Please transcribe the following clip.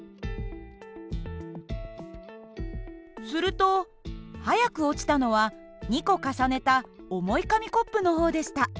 すると速く落ちたのは２個重ねた重い紙コップの方でした。